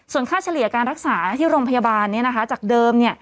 ส่วนค่าเฉลี่ยการรักษาที่โรงพยาบาลจากเดิม